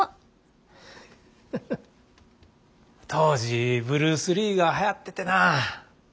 当時ブルース・リーがはやっててなあ。